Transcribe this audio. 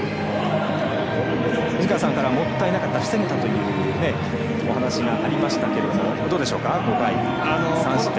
藤川さんからもったいない防げたとお話がありましたけどどうでしょうか、５回３失点。